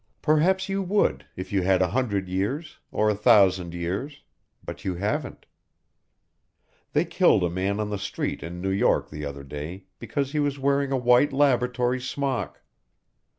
Perhaps you would if you had a hundred years or a thousand years, but you haven't. They killed a man on the street in New York the other day because he was wearing a white laboratory smock.